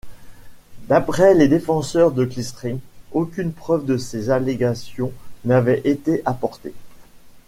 D'après les défenseurs de Clearstream, aucune preuve de ces allégations n'avait été apportée.